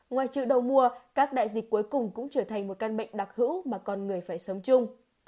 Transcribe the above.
ngoài chợ đầu mùa các đại dịch cuối cùng cũng trở thành một căn bệnh đặc hữu mà con người phải sống chung